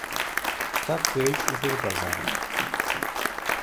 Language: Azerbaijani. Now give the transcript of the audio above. Kitab böyük uğur qazanır.